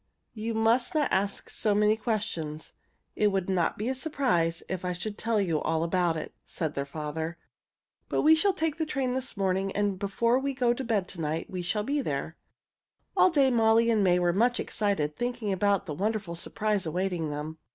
"You must not ask so many questions. It would not be a surprise if I should tell you all about it," said their father. "But we shall take the train this morning, and before we go to bed to night we shall be there." All day Molly and May were much excited thinking about the wonderful surprise awaiting them.